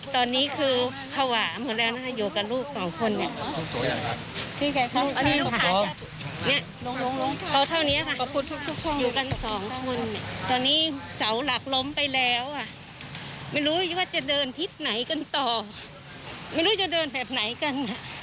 ตอนนี้เสาหลักล้มไปแล้วไม่รู้ว่าจะเดินทิศไหนกันต่อไม่รู้จะเดินแบบไหนกัน